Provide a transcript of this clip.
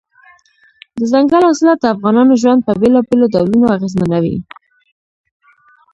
دځنګل حاصلات د افغانانو ژوند په بېلابېلو ډولونو اغېزمنوي.